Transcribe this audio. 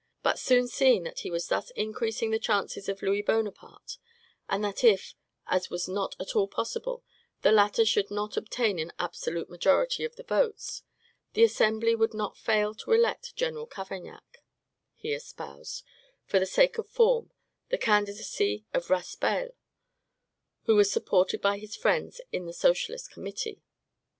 But soon seeing that he was thus increasing the chances of Louis Bonaparte, and that if, as was not at all probable, the latter should not obtain an absolute majority of the votes, the Assembly would not fail to elect General Cavaignac, he espoused, for the sake of form, the candidacy of Raspail, who was supported by his friends in the Socialist Committee.